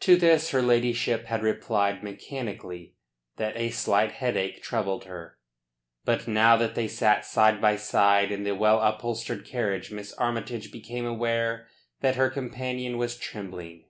To this her ladyship had replied mechanically that a slight headache troubled her. But now that they sat side by side in the well upholstered carriage Miss Armytage became aware that her companion was trembling.